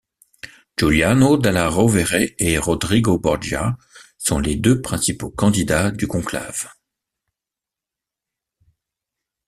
Giuliano Della Rovere et Rodrigo Borgia sont les deux principaux candidats du conclave.